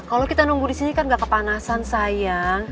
kalau kita nunggu di sini kan gak kepanasan sayang